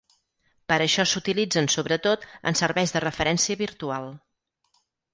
Per això s'utilitzen sobretot en serveis de referència virtual.